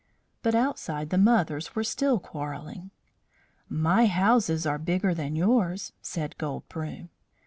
But outside the mothers were still quarrelling. "My houses are bigger than yours," said Gold Broom.